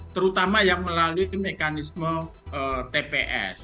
terutama yang melalui mekanisme tps